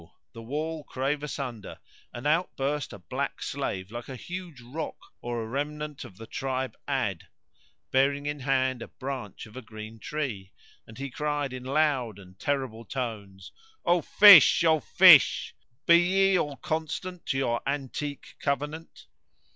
the wall clave asunder, and out burst a black slave like a huge rock or a remnant of the tribe Ad[FN#108] bearing in hand a branch of a green tree; and he cried in loud and terrible tones, "O fish! O fish! be ye all constant to your antique covenant?"